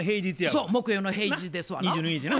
そう木曜の平日ですわな。